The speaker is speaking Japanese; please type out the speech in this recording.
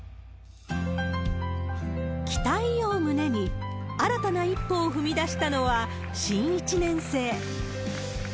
期待を胸に新たな一歩を踏み出したのは、新１年生。